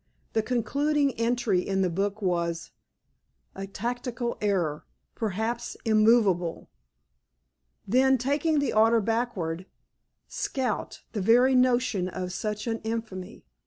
The concluding entry in the book was: "A tactical error? Perhaps. Immovable." Then, taking the order backward: _"Scout the very notion of such an infamy.